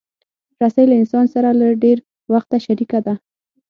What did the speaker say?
رسۍ له انسان سره له ډېر وخته شریکه ده.